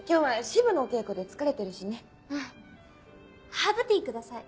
ハーブティー下さい。